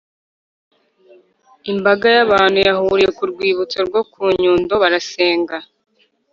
’imbaga y’abantu, bahuriye ku rwibutso rwoku nyundo barasenga,